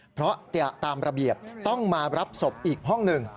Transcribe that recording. เพราะตามระเบียบต้องมารับศพอีกห้องหนึ่ง